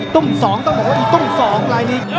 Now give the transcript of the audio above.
ต้มสองต้องหมอต้มสองมาเลย